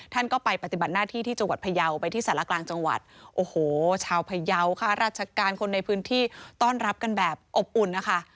ท่านก็ไปปฏิบัติหน้าที่ที่จังหวัดพยาวไปที่สารกลางจังหวัดโอ้โหชาวพยาวค่ะราชการคนในพื้นที่ต้อนรับกันแบบอบอุ่นนะคะ